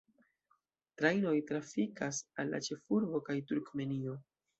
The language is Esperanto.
Trajnoj trafikas al la ĉefurbo kaj Turkmenio.